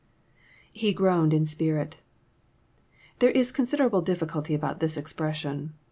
[J7« groaned in spirit.^ There is considerable difficulty about this expression.